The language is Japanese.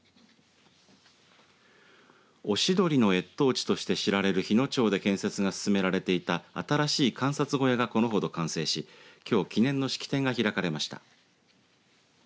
おしどりの越冬地として知られる日野町で建設が進められていた新しい観察小屋が、このほど完成しきょう記念の式典が開かれました。